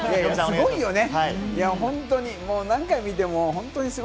すごいよね。